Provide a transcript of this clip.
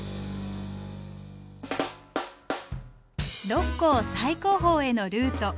六甲最高峰へのルート。